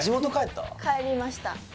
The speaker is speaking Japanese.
帰りました